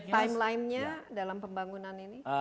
timeline nya dalam pembangunan ini